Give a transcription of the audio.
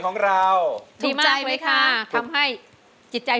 แต่แล้วร้านแตกนี่บ้านหรือร้านนี่แปลก